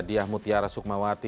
diah mutiara sukmawati